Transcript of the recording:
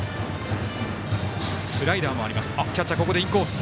スライダーもあります。